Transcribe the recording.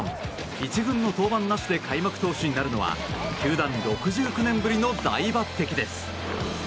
１軍の登板なしで開幕投手になるのは球団６９年ぶりの大抜擢です。